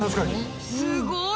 すごい！